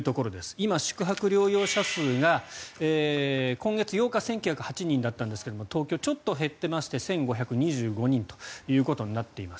今、宿泊療養者数が今月８日に１９０８人だったんですが東京はちょっと減ってまして１５２５人となっています。